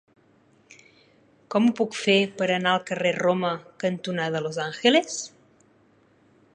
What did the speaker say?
Com ho puc fer per anar al carrer Roma cantonada Los Angeles?